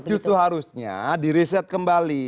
justru harusnya direset kembali